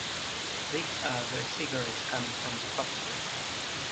These are the cigarettes coming from the factory.